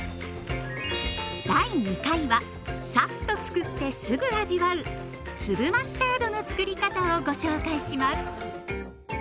第２回はさっとつくってすぐ味わう粒マスタードのつくり方をご紹介します。